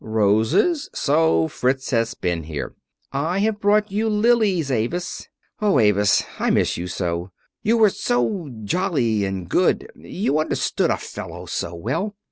"Roses? So Fritz has been here! I have brought you lilies, Avis. Oh, Avis, I miss you so! You were so jolly and good you understood a fellow so well.